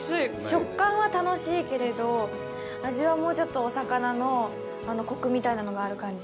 食感は楽しいけれど味はもうちょっとお魚のコクみたいなのがある感じ。